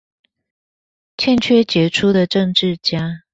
欠缺傑出的政治家